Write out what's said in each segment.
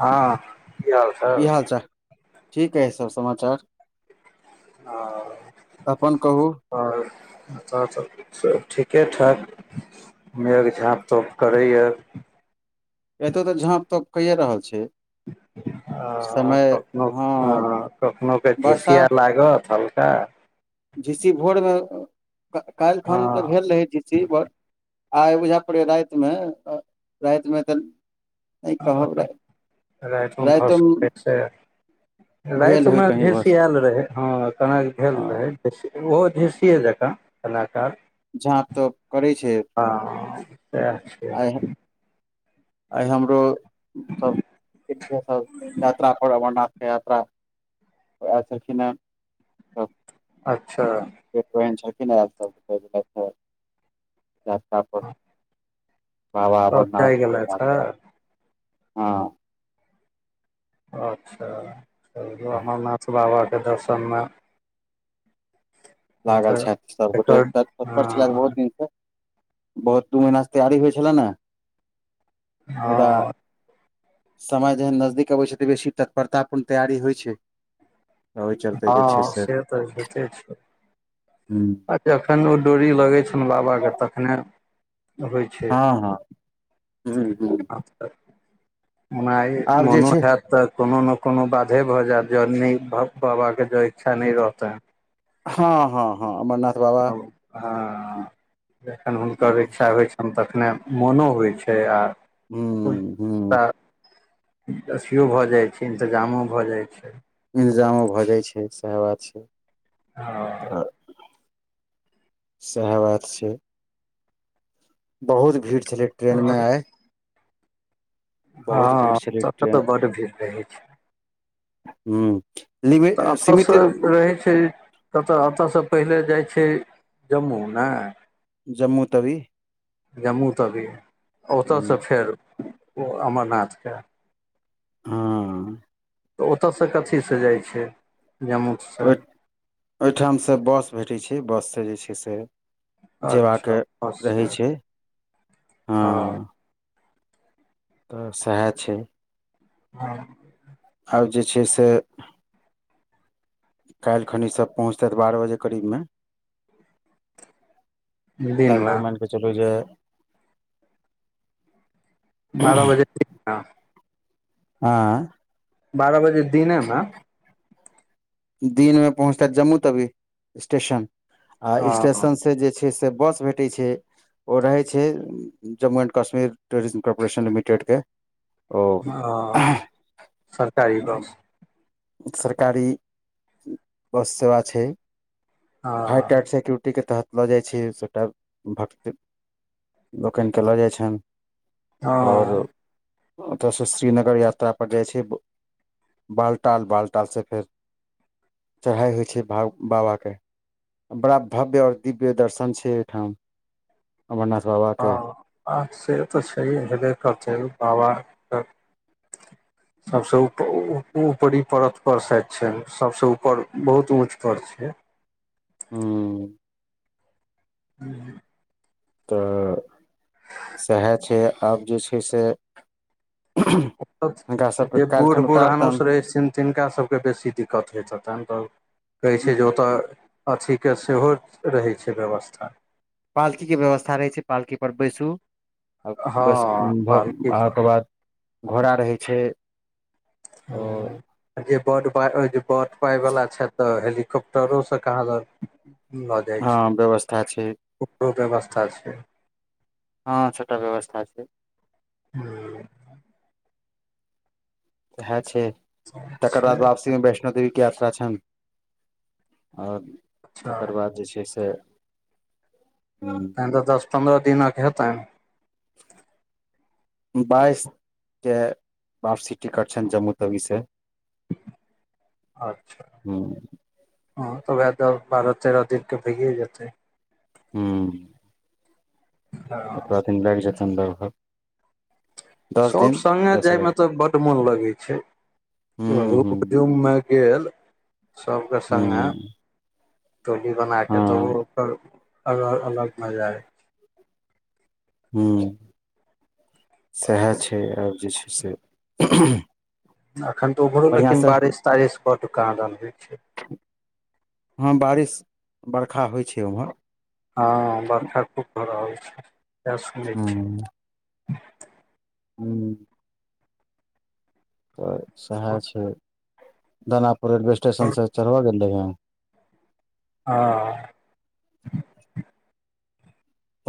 हँ की हाल की सब हाल चाल ठीक अइछ सब समाचार हँ अपन कहू ओर तऽ सब ठीके ठाक मेघ झाँप तोप करैए एतौ तऽ झाँप त कहिये रहल छी हं कखनो कखनो के वर्षा झिसिया लागत हल्का झीसी भोर में काल्हि खन तऽ हँ भेल रहे जिस ची ब आइ बुझै परय राइतमे राइतमे तऽ नहि कहब राइतमे भऽ रातिोमे सकय से भेल राइत होय मे कहीं बस झिसियेल रहै हँ कनाकऽ भेल हँ रहै ओहो झिसिए जकाँ कलाकार झाप तोप करै छै हँ तऽ आइ आइ हमरो सब यात्रा पर अमरनाथ यात्रा उह एल छलखिन हँ त अच्छा न यात्र पर [unintelligible] बाबा सब अमरनाथ जाइ गेलथि हे पर हँ अच्छा चल हँ अमरनाथ बाबाके दर्शन में लागल एकर छइथ सबगोटे एकर तत्पर छलथि बहुत हँ दिनसँ बहोत दू महीनासँ तैयारी होइ छलैन हैं मुदा हँ समय जहन नजदीक अबे छै तऽ बेसी तत्परता पूर्ण तैयारी होइ छै तऽ ओहि चलते जे छै हँ से तऽ हयते छै हूँ आ जखन ओ डोरी लगै छनि बाबाके तखने होइ छै हँ हँ हूँ हूँ [inaudible] [inaudible] माई आब जे मोनो छै हैत तऽ कोनो ने कोनो बाधे भऽ जायत जँ नहि बाबाके जँ इच्छा नहि रहतै हँ हँ हँ अमरनाथ बाबा हां [inaudible] जखन हुनकर इच्छा होइ छै तखने मोनो होइ छै हूँ हूँ आ [inaudible] असियो भऽ जाइत छै इन्तजामो भऽ जाइत छै इन्तजामो भऽ जाइ छै सएह बात छै [unintelligible] [inaudible] सएह बात छै बहुत भीड़ छलै ट्रेन हँ में आए भीड़ हँ छलै सब त तऽ ट्रेन बड भीड़ रहैत छै [inaudible] लिमिट तऽ एतसँ सीमित रहै छै कतऽ एतऽसँ पहिले जाइ छै जम्मू ने जम्मू तवी जम्मू तवी हूँ, ओतयसँ फेर ओ अमरनाथ के [unintelligible] तऽ ओतयसँ कथीसँ जाइ छै जम्मू ओहि ओहिठमसँ बस भेटैत छै बस सँ जाय छै से जेबाक अच्छा बस रहै छै [inaudible] हँ तऽ सेहै छै [unintelligible] आब जे छै से काइल खनि ई सब पहुँचते बारह बजे करीबमे दिनमे लगभग मानि कऽ चलू जे [inaudible] बारह बजे [unintelligible] [unintelligible] बारह बजे दिने मे दिन मे पहुंचताइत जम्मू तवी स्टेशन आ हँ स्टेशन से जे छै से बस भेटै छै ओ रहै छै Jammu and Kashmir tourism corporation limited के हां [inaudible] सरकारी बस सरकारी [inaudible] बस सेवा छै हाई हँ टाईट सिक्योरटी के तहत लऽ जाइत छी सभटा भक्त [inaudible] लोकैन क लऽ जाइत छनि [inaudible] और हँ ओतय से श्रीनगर यात्रा पर जाइ छै [inaudible] बालट टाल बालटाल सँ फेर चढ़ाइ होइ छै बाबाके बड़ा भव्य और दिव्य दर्शन छै ओहिठाम अमरनाथ बाबा हँ आ से तऽ छैहै हेबे करतै बाबाके [inaudible] सबसे ऊपरी परत पर सैयद छै सबसे ऊपर बहुत ऊंच पर छै हूं दिल्ली तऽ सएहा छै आब जे छै से अपथ हुनका सबके जे काल्हि बूढ़ खन उतारतनि बूढ़ानुस रहै सिन तिनका सबके बेसी दिक्कत होइत हेतनि तऽ ठीक कहै छै जे ओतऽ अथी के सेहो रहै छै व्यवस्था पालकी के व्यवस्था रहै छै पालकी पर बैसू आ हँ बस भऽ पालकी आ पर के बाद घोड़ा रहै छै ओ हँ जे बड पा अइ बड पाइवला छैथ तऽ हेलीकॉप्टरो स कहाँ दन लऽ जाय हँ छै व्यवस्था छै ओकरो व्यवस्था छै हँ छोटा व्यवस्था छै हूं एहै छै तकर अच्छा बाद वापसी में बैस वैष्णो देवीके यात्रा छइन ओर अच्छा तकर बाद जे छै से तहन तऽ दस पन्द्रह दिनक हेतइन अन बाईस के वापसी टिकट छइन जम्मूतवी से अच्छह ह हँ तऽ वएह दऽ बारह तेरह दिनके भइए जेतै हूं हँ ओतबा दिन लाइग जैत सम्भवत सब संगे जयमे एगारह तऽ बड्ड मोन लगैत छै हूँ हूँ हुदुम में गेल सबके संगे हूँ टोली बनाके तऽ हँ ओ ओकर अलग अलग मजा अय हूं सएह छै आब जे छै से एखन तऽ ओम्भरो बढ़िआँ लेकिन से बारिस तारिस बड कहां दन होइ छै हँ बारिश बरखा होइ छै ओम्हर हँ बरखा खूब भऽ रहल छै इएहा सुनै छियै हूं तऽ सएहा छै दानापुर रेलवे स्टेशनसँ चढ़बऽ गेल रहियैन आ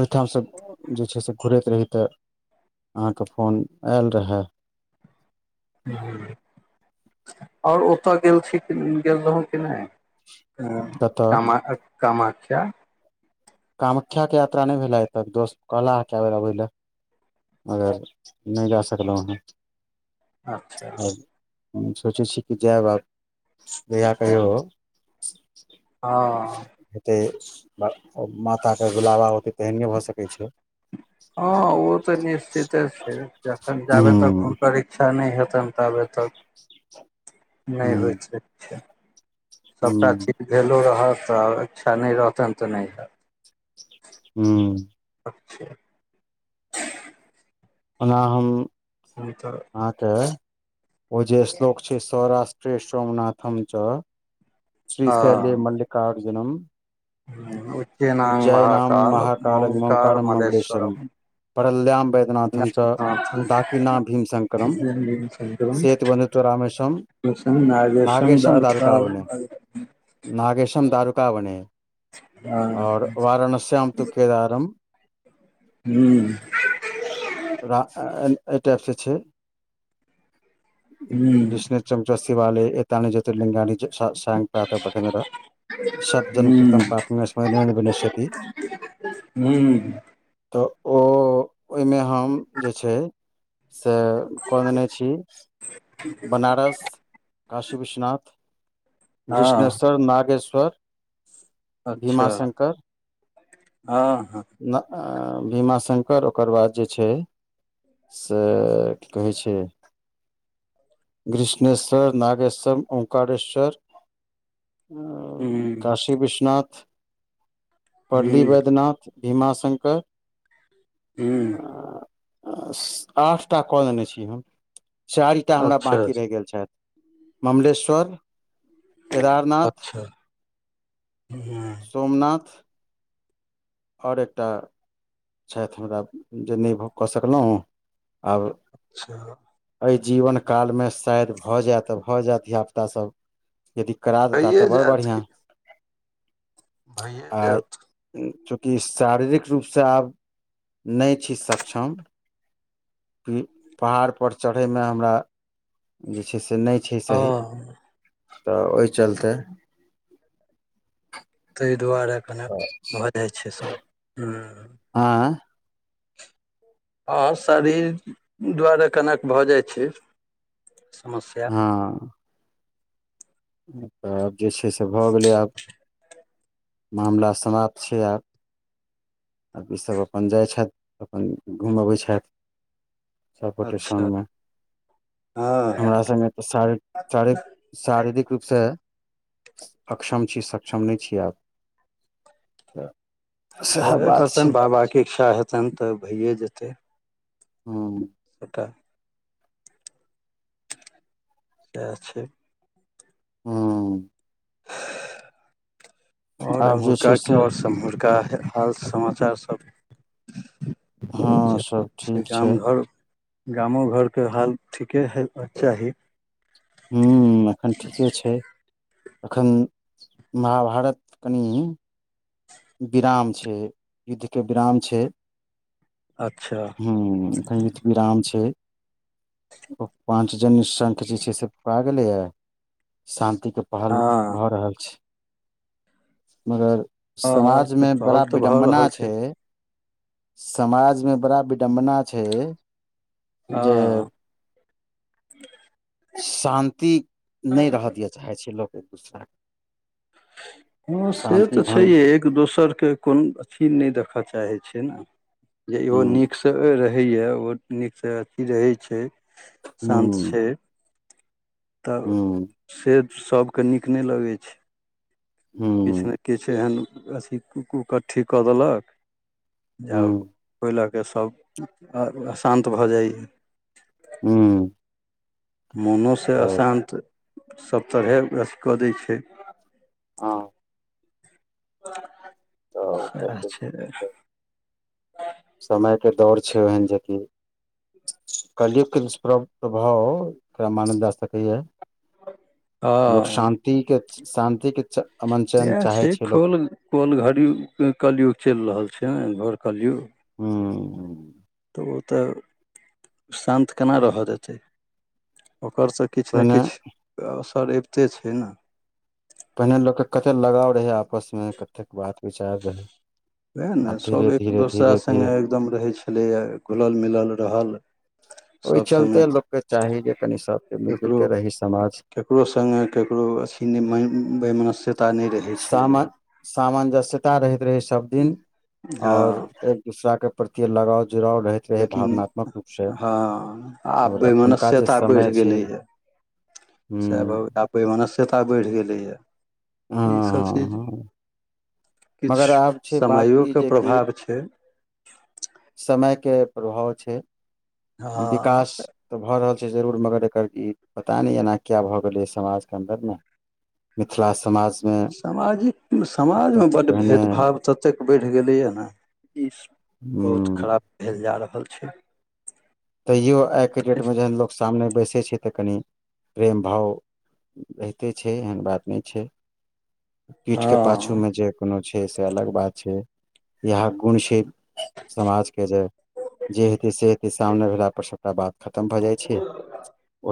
ओहिठामसँ जे छै से घुरैत रही तऽ अहाँके फोन एल रहय आओर ओतऽ गेल छी गेल रहौं कि नय क कतय कामख्या कामाख्या के यात्रा कय भेलय एखन दोस्त कहलाहे के बेर अबय ले मगर नय जा सकलहुँ हं अच्छा सोचै छी कि जैब आब जहिया कहियो हँ ते सु अं अम माताके बुलाबा अतय त एहन नै भऽ सकै छै ते आओर तऽ निश्चिते छै जखन जाबे हूं तक हुनकर इच्छा नय हेतनि ताबे तक नइ हूं होइच ख्या सबटा हूं चीज भेलो रहत आ इच्छा नय रहतनि तऽ नय हैत हूं अच्छे ओना हम होय त हाँ तऽ ओ जे श्लोक छै सौराष्ट्रीय सोमनाथम च श्रीशैली हँ मल्लिकार्जुनम उच्चेनांग उज्जयना महाकाल महाकाल ओंकार मंकणम ममलेश्वरम मलेश्वरम परल्यम वैद्यनाथम च डाकिना भीम शङकरम शेत बनु ट्वरामेशम [unintelligible] नागेशम दारुकावणे आओर हम्म वाराणसम त केदारम हू र एहि टाइपसँ छै हम्म विष्णु चमचुथीवाले एतानी ज्ज्योतिर्लिंगाान प्रातः पठन रहे सभजन कृतं पापने ऋणं विनश्यति हूं तऽ ओ ओहि में हम जे छै से कऽ लेने छी बनारस काशी विश्वनाथ हँ घृष्णेश्वर नागेश्वर अच्छा भीमाशंकर हँ हँ भीमाशंकर ओकर बाद जे छै से की कहय छै ग्रिष्णेश्वर नागेश्वरम ओंकारेश्वर काशी विश्वनाथ ह पली ह बैद्यनाथ भीमाशंकर हूँ आठ टा कऽ देने छी हम चारि टा हमरा अच्छा बकी रहि गेल छथि ममलेश्वर केदारनाथ अच्छा हूँ सोमनाथ आओर एकटा छथि हमरा जे नहि भ कऽ सकलहुँ आब अच्छा एहि जीवन कालमे शायद भऽ जाय तऽ भऽ जाय धियापुता सभ यदि करा देता भइए तऽ बड़ जायत की बढ़िया भइए जायत चूँकि शारीरिक रूप से आब नहि छी सक्षम पहाड़ पर चढ़य मे हमरा जे छै से नहि छै सही हँ तऽ ओहि चलते ताहि दुआरे कने भऽ जाइ छै से हूं आँय हँ शरीर दुआरे कनेक भऽ जाइत छै समस्या हँ तऽ आब जे छै से भऽ गेलै आब मामला समाप्त छै आब आ ईसभ अपन जाइ छथि अपन घूमबैत छथि सबगोटे अच्छा सगमे हमरा हँ सङ्गे तऽ सारि [unintelligible] शारीरिक रूपसँ अक्षम छी, सक्षम नहि छियै आब। सैहे बात छै जेहेन बाबाके इच्छा हेतनि तऽ भइए जेतै। हूॅं एतय तेॅं छै हूॅं आओर आब जे छै एम्हुरकाके से आओर सम्हुरका हाल समाचार सभ हँ जे सभ छै ठीक गाम-घर गामो घरके हाल ठीके हइबक चाही हूँ एखन ठीके छै, एखन महाभारत कनि विराम छै, युद्धके विराम छै अच्छा हू कनी त विराम छै पाँच जन्य शंख जे छै से, फुका गेलैए शान्तिके पहल हँ भऽ रहल छै मगर हँ तऽ समाजमे पहल बड़ा तऽ भऽ विडम्बना रहल छै समाजमे बड़ा विडम्बना छै जे [inaudible] हँ शान्ति नहि रहय दिअ चाहै छै लोक एक-दूसराके हँ, से तऽ भंग छैहे एक दोसरके कोन अथी नहि देखऽ चाहे छै, जे इहो नीक हूँ रहैए ओ नीकसँ अथी रहै छै, शान्त हूँ छै। तॅं हूँ से सबके नीक नहि लगै छै, किछु हूँ नहि किछु एहन अथी उकट्ठी कऽ देलक जे आब हूँ ओहि लऽ कऽ सभ अशान्त भऽ जाइए हूॅं मोनोसँ अशान्त सभ तरहे अथी कऽ दै छै, हँ तऽ सैह, चलते छै। समयके दौड़ छै ओहन जे कि कलयुगके दुष्प्र प्रभाव एकरा मानल जा सकैए। लोक हँ शान्तिकके, शान्तिके अमन-चैन चाहै छै लोक कौन घड़ी कलयुग चलि रहल छै घोर कलयुग हूॅं तऽ ओ तॅं शान्त केना रहऽ देतै? ओकर- पहिने किछ-ने-किछ असरि अबिते छै ने! पहिने लोककेॅं कते लगाव रहै आपसमे, कतेक बात-विचार रहै उएह ने सभ एक दोसरा धीरे संगे एकदम रहै छलैए, घुलल मिलल रहल ओहि सभ सङ्गे चलते लोककेँ चाही जे कनि सभकेॅं मिलि-जुलि ककरो कऽ रही समाज ककरो सङ्गे ककरो अथी नै बैनस्यता नै रहै सामा छलैया सामंजस्यता रहैत रहै सभ दिन हँ आओर एक- दूसराके प्रति लगाव-जुड़ाव रहैत रहे लेकिन, भावनात्मक रूप से हँ आब आओर एखुनका जे वैमसियता बढ़ समय छै गेलै है सह हूँ भ आब वैमनस्यता बढ़ि गेलैए हँ ईसभ चीज हँ हँ मगर किछु आब छै बात ई समयोकेॅं प्रभाव छै समयके प्रभाव छै, हँ विकास तऽ भऽ रहल छै जरूर मगर एकर ई पता नहि एना किए भऽ गेलैए समाजकेॅं अन्दरमे? मिथिला समाज सामाजिक, समाजमे एतेक बड्ड पहिने भेदभाव ततेक बढ़ि गेलैए ने, ई बहुत हूँ खराब भेल जा रहल छै। तैओ आइके डेटमे जखन लोक सामने बैसै छै तँ कनि प्रेम-भाव रहिते छै एहन बात नहि छै पीठ के पा छू हँ मे जे कोनो छै से अलग बात छै इह गुण छै समाज के जे जे हेतै से हेतय सामने भेला पर सबटा बात खतम भऽ जाइ छै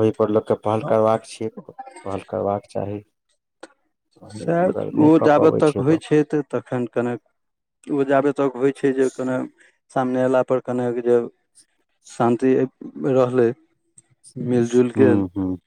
ओहिपर लोककेँ पहल करबाक छीये पहल करबाके चाही मगर सएह ओ नहि कऽ जाबत पबै तक होइ लोक छै तऽ तखन कनेक ओ जाबे तक होइ छै जे कने सामने अयलापर कनेक जे शान्ति रहलै मिल जुलि हूँ गेल हूँ